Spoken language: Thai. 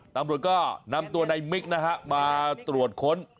ตำรวจก็นำตัวในมิกนะฮะมาตรวจค้น